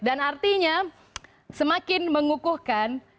dan artinya semakin mengukuhkan